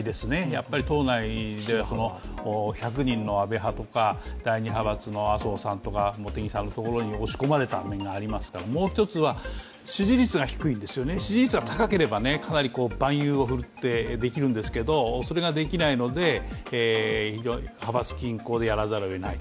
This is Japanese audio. やっぱり党内で１００人の安倍派とか第２派閥とか茂木さんのところに押し込まれた面がありますから、もう一つは支持率が低いんですよね、支持率が高かったらかなり万有をふるってできるんですけど、それができないので、派閥均衡でやらざるをえない。